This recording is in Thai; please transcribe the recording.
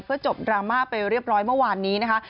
จบดราม่าไปเรียบร้อยเมื่อวานนี้นะคะ